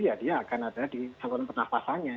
ya dia akan ada di saluran pernafasannya